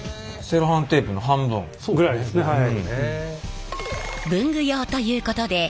ぐらいですねはい。